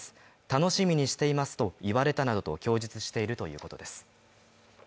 楽しみにしていますと言われたなどと供述しているということです。